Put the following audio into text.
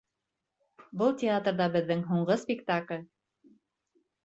Был театрҙа беҙҙең һуңғы спектакль.